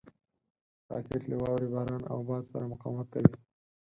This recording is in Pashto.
راکټ له واورې، باران او باد سره مقاومت کوي